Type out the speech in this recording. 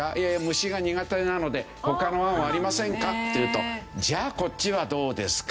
「虫が苦手なのでほかの案はありませんか？」っていうとじゃあこっちはどうですか？